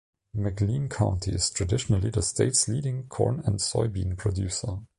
McLean County is traditionally the state's leading corn and soybean producer.